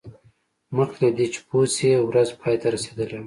مخکې له دې چې پوه شي ورځ پای ته رسیدلې وه